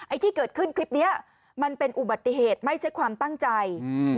ที่เกิดขึ้นคลิปเนี้ยมันเป็นอุบัติเหตุไม่ใช่ความตั้งใจอืม